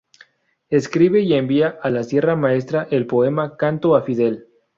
Escribe y envía a la Sierra Maestra el poema "Canto a Fidel".